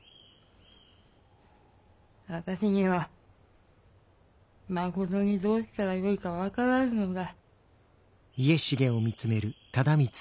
私にはまことにどうしたらよいか分からぬのだ。